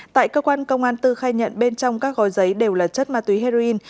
tại cơ quan công an tư khai nhận bên trong các gói giấy đều là chất ma túy heroin